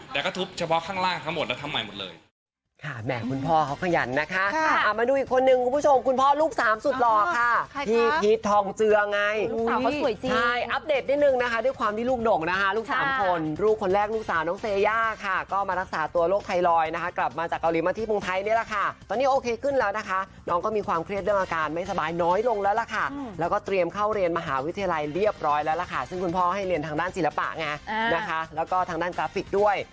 เท่านี้เลยนะแต่ก็ทุบเฉพาะข้างล่างทั้งหมดแล้วทำใหม่หมดเลย